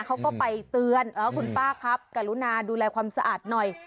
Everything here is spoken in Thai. เขาก็ไปเตือนคุณป้าครับกรุณาดูแลความสะอาดหน่อย